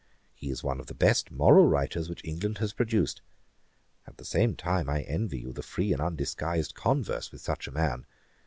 He is one of the best moral writers which England has produced. At the same time, I envy you the free and undisguised converse with such a man.